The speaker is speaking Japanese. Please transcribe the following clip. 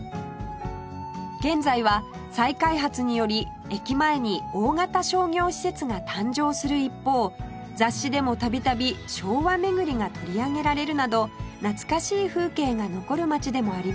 現在は再開発により駅前に大型商業施設が誕生する一方雑誌でも度々昭和巡りが取り上げられるなど懐かしい風景が残る町でもあります